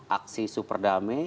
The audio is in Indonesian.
aksi super damai